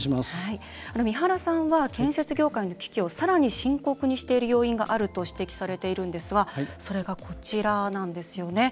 三原さんは建設業界の危機をさらに深刻にしている要因があると指摘されているんですがそれが、こちらなんですよね。